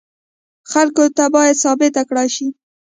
خلکو ته باید ثابته کړای شي.